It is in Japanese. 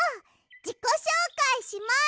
じこしょうかいします！